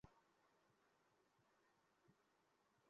কিছু বাইরে থাকলে চেক করো?